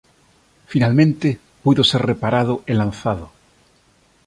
Finalmente puido ser reparado e lanzado.